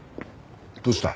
どうした？